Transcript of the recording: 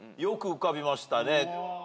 よく浮かびましたね。